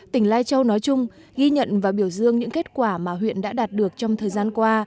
tỉnh lai châu nói chung ghi nhận và biểu dương những kết quả mà huyện đã đạt được trong thời gian qua